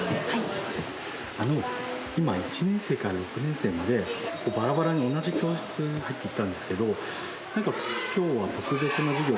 あの今１年生から６年生までバラバラに同じ教室入っていったんですけどなんか今日は特別な授業か何かなんですか？